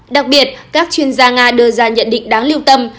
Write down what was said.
đặc biệt các chuyên gia nga đưa ra nhận định đáng lưu tâm